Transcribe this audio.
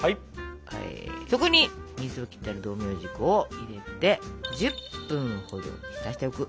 そこに水を切ってある道明寺粉を入れて１０分ほど浸しておく。